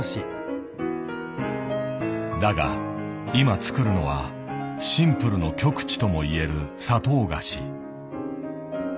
だが今作るのはシンプルの極致ともいえる砂糖菓子。